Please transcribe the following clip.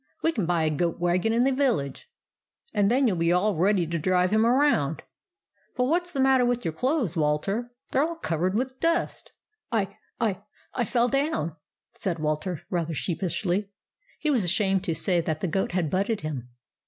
We can buy a goat wagon in the village, and then you '11 be all ready to drive him around. But what s the matter with your clothes, Walter? They 're all covered with dust." " I — I — I fell down," said Walter, rather sheepishly. He was ashamed to say that the goat had butted him.